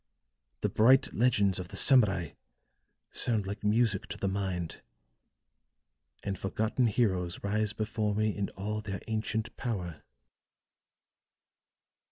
The bright legends of the Samurai sound like music to the mind; and forgotten heroes rise before me in all their ancient power."